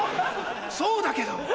そうだけど！